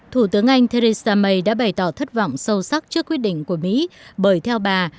thủ tướng anh theresa may đã bày tỏ thất vọng sâu sắc trước quyết định của mỹ bởi theo bà